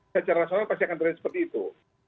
secara rasional pasti akan terinitiasi seperti itu